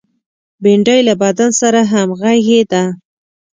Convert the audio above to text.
بېنډۍ له بدن سره همغږې ده